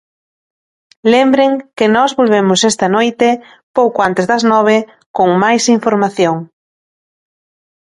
Lembren que nós volvemos esta noite, pouco antes das nove, con máis información.